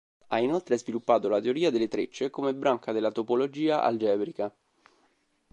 Ha inoltre sviluppato la teoria delle trecce come branca della topologia algebrica.